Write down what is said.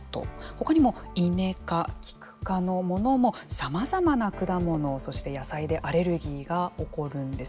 他にも、イネ科、キク科のものもさまざまな果物、そして野菜でアレルギーが起こるんです。